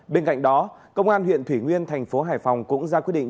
bên cạnh đó công an huyện thủy nguyên thành phố hải phòng cũng ra quyết định